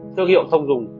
thương hiệu thông dùng